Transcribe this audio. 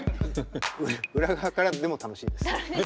裏側からでも楽しいです。